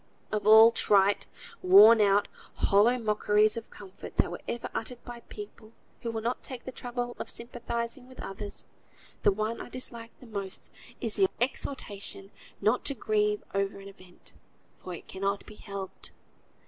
Of all trite, worn out, hollow mockeries of comfort that were ever uttered by people who will not take the trouble of sympathising with others, the one I dislike the most is the exhortation not to grieve over an event, "for it cannot be helped."